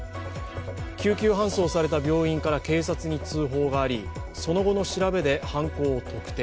救急搬送された病院から警察に通報がありその後の調べで、犯行を特定。